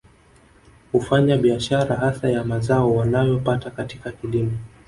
Hufanya biashara hasa ya mazao wanayo pata katika kilimo